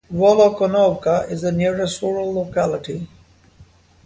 Volokonovka is the nearest rural locality.